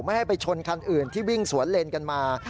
ให้ไปชนคันอื่นที่วิ่งสวนเลนกันมา